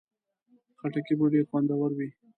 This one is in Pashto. د خټکي بوی ډېر خوندور وي.